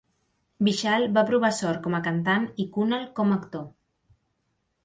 Vishal va provar sort com a cantant i Kunal, com a actor.